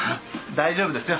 大丈夫ですよ。